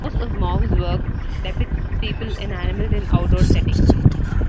Most of Mauve's work depicts people and animals in outdoor settings.